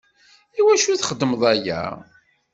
I wacu i txedmeḍ aya?